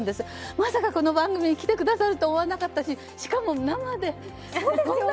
まさか、この番組に来てくださると思わなかったし、しかも生で。